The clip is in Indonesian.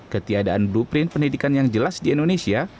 ketiadaan blueprint pendidikan yang jelas di indonesia